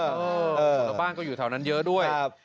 ชาวบ้านก็อยู่แถวนั้นเยอะด้วยครับ